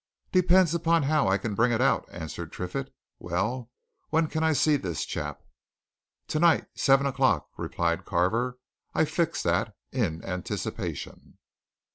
"Depend upon how I can bring it out," answered Triffitt. "Well, when can I see this chap?" "Tonight seven o'clock," replied Carver. "I fixed that, in anticipation."